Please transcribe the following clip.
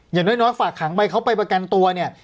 อย่างน้อยฝากขังไปเขาไปประกันตัวเนี่ย